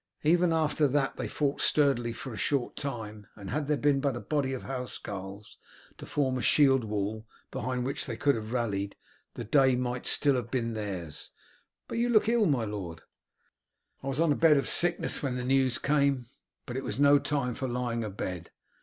Even after that they fought sturdily for a short time, and had there been but a body of housecarls to form a shield wall, behind which they could have rallied, the day might still have been theirs. But you look ill, my lord." "I was on a bed of sickness when the news came; but it was no time for lying abed.